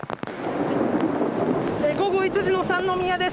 午後１時の三ノ宮です。